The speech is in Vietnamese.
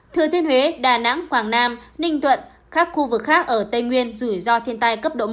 thừa thiên huế đà nẵng quảng nam ninh thuận các khu vực khác ở tây nguyên rủi ro thiên tai cấp độ một